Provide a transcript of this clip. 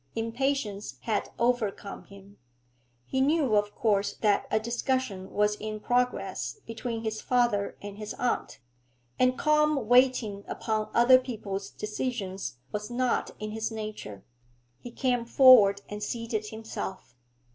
Impatience had overcome him. He knew of course that a discussion was in progress between his father and his aunt, and calm waiting upon other people's decisions was not in his nature. He came forward and seated himself.